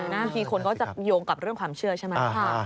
หน้าทีคนก็จะโยงกับเรื่องความเชื่อใช่ไหม